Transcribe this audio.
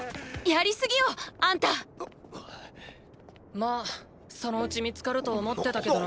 まあそのうち見つかると思ってたけどな。